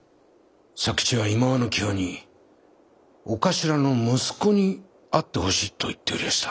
佐吉はいまわの際にお頭の息子に会ってほしいと言っておりやした。